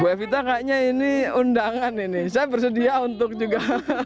mbak evita kayaknya ini undangan ini saya bersedia untuk juga